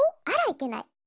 あらいけない！